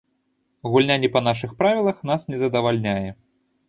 Гульня не па нашых правілах нас не задавальняе.